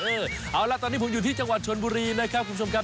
เอาล่ะตอนนี้ผมอยู่ที่จังหวัดชนบุรีนะครับคุณผู้ชมครับ